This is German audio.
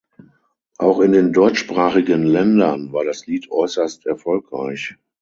Auch in den deutschsprachigen Ländern war das Lied äußerst erfolgreich.